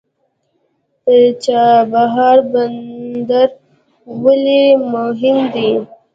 د چابهار بندر ولې مهم دی؟